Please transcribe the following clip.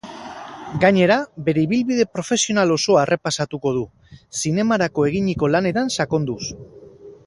Gainera, bere ibilbide profesional osoa errepasatuko du, zinemarako eginiko lanetan sakonduz.